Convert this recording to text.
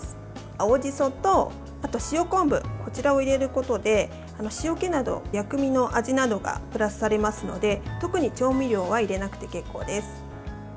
青じそと、あと塩昆布こちらを入れることで塩気など、薬味の味などがプラスされますので特に調味料は入れなくて結構です。